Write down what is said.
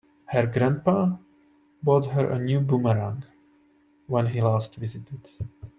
Her grandpa bought her a new boomerang when he last visited.